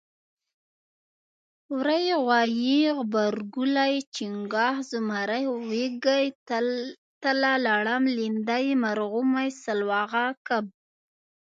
وری غوایي غبرګولی چنګاښ زمری وږی تله لړم لیندۍ مرغومی سلواغه کب